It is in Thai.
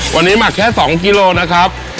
วันนี้หมักแค่๒กิโลนะครับ